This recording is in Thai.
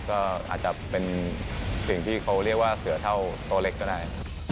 ก็อาจจะเป็นสิ่งที่เขาเรียกว่าเสือเท่าตัวเล็กก็ได้ครับ